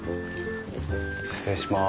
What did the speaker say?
失礼します。